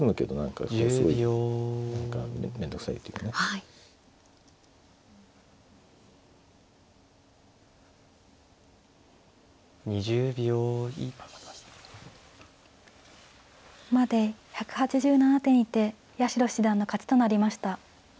まで１８７手にて八代七段の勝ちとなりました。